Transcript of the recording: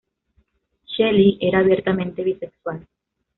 Shelley era abiertamente bisexual.